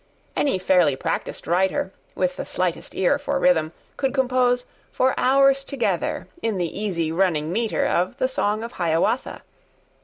Any fairly practised writer, with the slightest ear for rhythm, could compose, for hours together, in the easy running metre of 'The Song of Hiawatha.